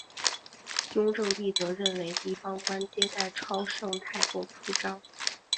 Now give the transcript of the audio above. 雍正帝则认为地方官接待超盛太过铺张。